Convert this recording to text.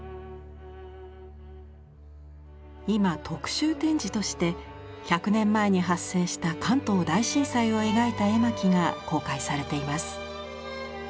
今特集展示として１００年前に発生した関東大震災を描いた絵巻が公開されています。